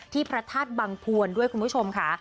ที่พระทาสบังษฐวรด้วยคุณผู้ชมค่ะ